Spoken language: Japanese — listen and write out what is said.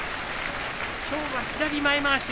きょうは左前まわし